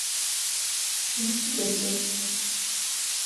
لە چی دەچێت؟